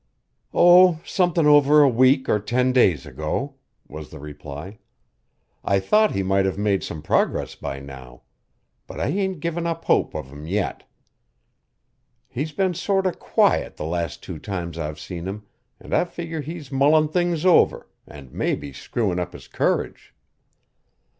"Oh, somethin' over a week or ten days ago," was the reply. "I thought he might have made some progress by now. But I ain't given up hope of him yet. He's been sorter quiet the last two times I've seen him, an' I figger he's mullin' things over, an' mebbe screwin' up his courage."